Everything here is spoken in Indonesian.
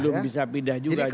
belum bisa pindah juga